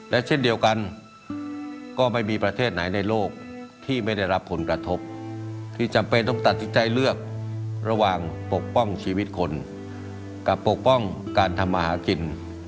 และเช่นเดียวกันก็ไม่มีประเทศไหนในโลกที่ไม่ได้รับผลกระทบที่จำเป็นต้องตัดสินใจเลือกระหว่างปกป้องชีวิตคนกับปกป้องการทำมาหากิน